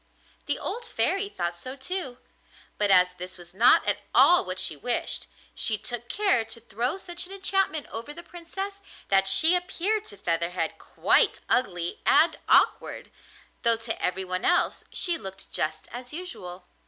The old Fairy thought so too, but as this was not at all what she wished, she took care to throw such an enchantment over the Princess that she appeared to Featherhead quite ugly and awkward, though to every one else she looked just as usual.